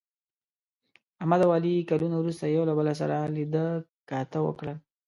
احمد او علي کلونه وروسته یو له بل سره لیده کاته وکړل.